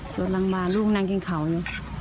ส่วนรังบาลลูกนั่งกินเขาเลย